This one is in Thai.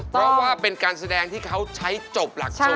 เพราะว่าเป็นการแสดงที่เขาใช้จบหลักสูตร